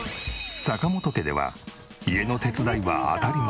坂本家では家の手伝いは当たり前。